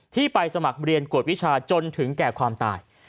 ที่ไปสมัครเรียนกวดวิชาจนถึงแก่ความตาย